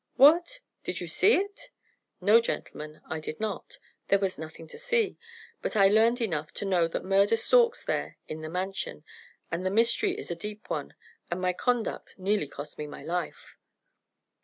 "What! Did you see it?" "No, gentlemen, I did not. There was nothing to see; but I learned enough to know that murder stalks there in the Mansion that the mystery is a deep one, and my conduct nearly cost me my life.